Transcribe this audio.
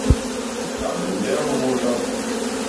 À mɛ̀ndɛ́ ô hwóndá.